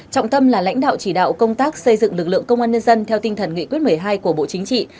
trọng tâm là lãnh đạo chỉ đạo công tác xây dựng lực lượng công an nhân dân theo tinh thần nghị quyết một mươi hai của bộ chính trị